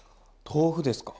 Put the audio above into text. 豆腐ですか。